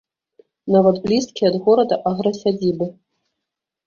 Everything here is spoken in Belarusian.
Нават блізкія ад горада аграсядзібы.